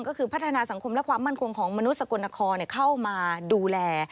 ก็คือพัฒนาสังคมและความมั่นคงของมนุษย์สกลนครเข้ามาดูแล